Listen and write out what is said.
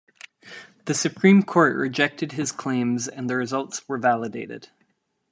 The Supreme Court rejected his claims and the results were validated.